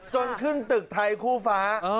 จนขึ้นตึกไทยคู่ฟ้า